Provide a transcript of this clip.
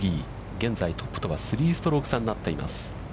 現在、トップとは３ストローク差となっています。